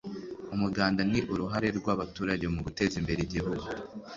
umuganda ni uruhare rw abaturage mu guteza imbere igihugu